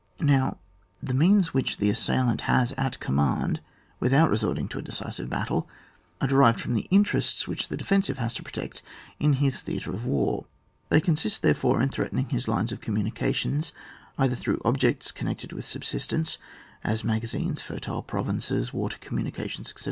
Now, the means which the assailant has at command without re sorting to a decisive battle, are derived from the interests which the defensive has to protect in his theatre of war; they consist, therefore, in threatening his lines of communications, either through objects connected with subsist ence, as magazines, fertile provinces, water commimications, etc.